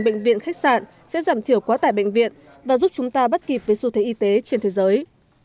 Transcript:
bệnh viện khách sạn sẽ giảm thiểu quá tải bệnh viện và giúp chúng ta bắt kịp với xu thế y tế trên thế giới